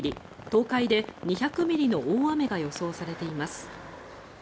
東海で２００ミリの大雨が予想されています。